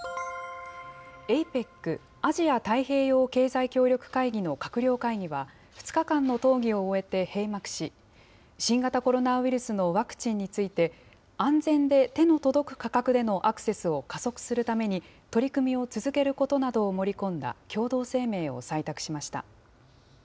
ＡＰＥＣ・アジア太平洋経済協力会議の閣僚会議は２日間の討議を終えて閉幕し、新型コロナウイルスのワクチンについて、安全で手の届く価格でのアクセスを加速するために取り組みを続けることなどを盛り込んだ共同声明を採択しました。